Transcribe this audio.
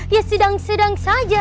ya sedang sedang saja